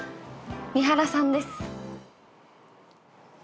三原さんです。